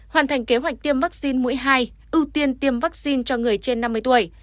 hoàn thành kế hoạch tiêm vaccine mũi hai ưu tiên tiêm vaccine cho người trên năm mươi tuổi